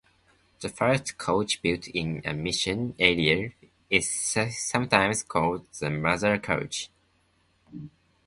The first church built in a mission area is sometimes called the mother church.